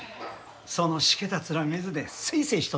そのシケた面見ずでせいせいしとった。